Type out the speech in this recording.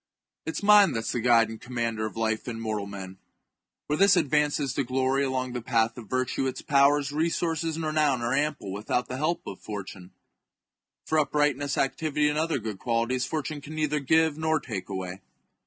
It is mind that is the guide and commander of life in mortal men. Where this advances to glory along the path of virtue, its powers, resources, and renown are ample without the help of fortune ; for uprightness, activity, and other good qualities, fortune can neither give nor take away.